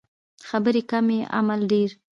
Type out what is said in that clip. خبرې کمې عمل ډیر